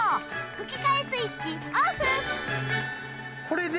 吹き替えスイッチオフ！